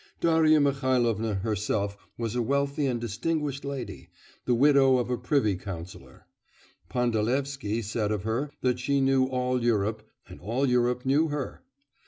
Darya Mihailovna herself was a wealthy and distinguished lady, the widow of a privy councillor. Pandalevsky said of her, that she knew all Europe and all Europe knew her!